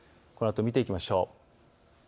このあと、見ていきましょう。